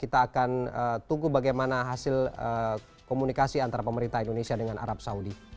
kita akan tunggu bagaimana hasil komunikasi antara pemerintah indonesia dengan arab saudi